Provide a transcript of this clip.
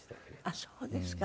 あっそうですか。